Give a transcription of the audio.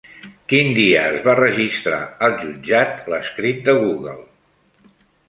Quin dia es va registrar al jutjat l'escrit de Google?